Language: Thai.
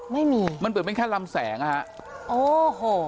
ไม่มีมันเปลี่ยนเป็นขั้นลำแสงนะฮะโอ้โห